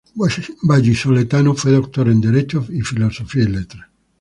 Vallisoletano, fue doctor en Derecho y Filosofía y Letras.